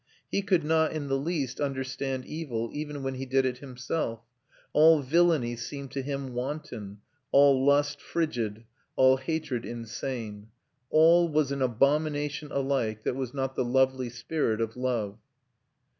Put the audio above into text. He could not in the least understand evil, even when he did it himself; all villainy seemed to him wanton, all lust frigid, all hatred insane. All was an abomination alike that was not the lovely spirit of love.